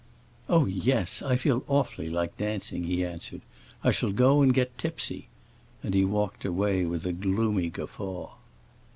"Oh yes, I feel awfully like dancing!" he answered. "I shall go and get tipsy." And he walked away with a gloomy guffaw.